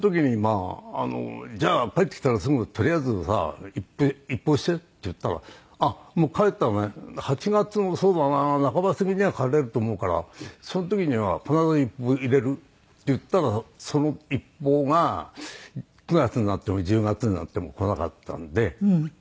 あの「じゃあ帰ってきたらすぐとりあえずさ一報して」って言ったら「あっもう帰ったらね８月のそうだな半ば過ぎには帰れると思うからその時には必ず一報入れる」って言ったらその一報が９月になっても１０月になっても来なかったんで。